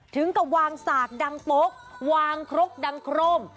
ถึงกับวางสากดังโป๊กวางครกดังโครม